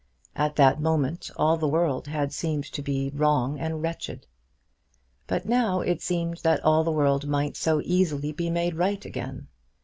At that moment all the world had seemed to him to be wrong and wretched. But now it seemed that all the world might so easily be made right again!